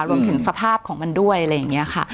รวมถึงสภาพของมันด้วยอะไรอย่างนี้ค่ะ